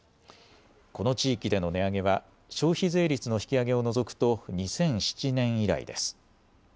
この地域での値上げは消費税率の引き上げを除くと２００７年以来です。